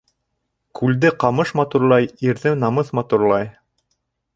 Күлде ҡамыш матурлай, ирҙе намыҫ матурлай.